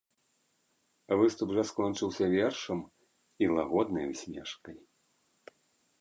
Выступ жа скончыўся вершам і лагоднай усмешкай.